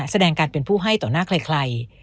แสดงการเป็นผู้ให้ต่อหน้าใคร